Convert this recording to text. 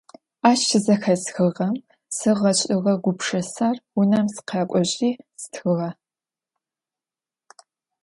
Ащ щызэхэсхыгъэм сигъэшӀыгъэ гупшысэр унэм сыкъэкӀожьи стхыгъэ.